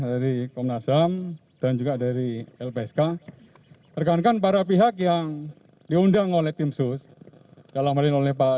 terima kasih pak terima kasih pak